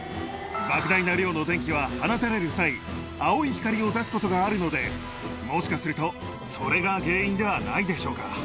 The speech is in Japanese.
ばく大な量の電気は放たれる際、青い光を出すことがあるので、もしかすると、それが原因ではないでしょうか。